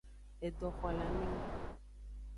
Edoxolamengu.